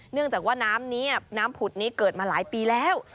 เนื่องจากว่าน้ำนี้น้ำผุดนี้เกิดมาหลายปีแล้ว